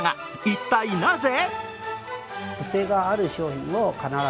一体なぜ？